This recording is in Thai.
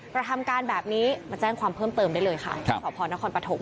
ประทำการแบบนี้มาแจ้งความเพิ่มเติมได้เลยค่ะขอบความรับความประถม